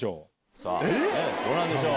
さぁどうなんでしょう？